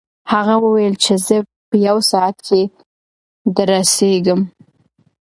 هغه وویل چې زه په یو ساعت کې دررسېږم.